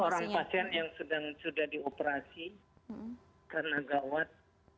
seorang pasien yang sudah di operasi karena gawat